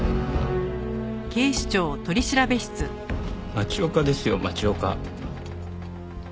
町岡ですよ町岡。